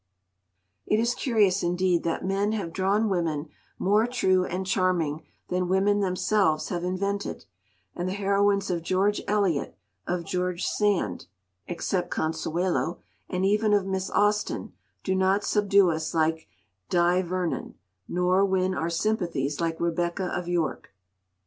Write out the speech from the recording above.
It is curious, indeed, that men have drawn women more true and charming than women themselves have invented, and the heroines of George Eliot, of George Sand (except Consuelo), and even of Miss Austen, do not subdue us like Di Vernon, nor win our sympathies like Rebecca of York.